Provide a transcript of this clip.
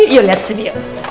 yuk liat sini